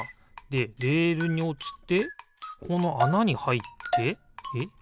でレールにおちてこのあなにはいってえ？